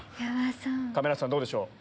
亀梨さんどうでしょう？